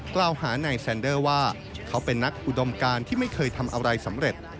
กล่าวหานายแซนเดอร์ว่าเขาเป็นนักอุดมการที่ไม่เคยทำอะไรสำเร็จ